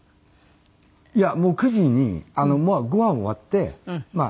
いやもう９時にご飯終わってまあ